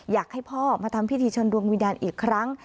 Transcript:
อยากให้พ่อมาทำพิธีเชิญดวงวิญญาณอีกครั้ง